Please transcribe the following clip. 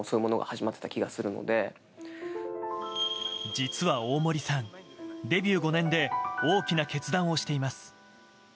実は大森さん、デビュー５年で大きな決断をしています。